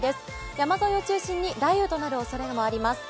山沿いを中心に雷雨となるおそれもあります。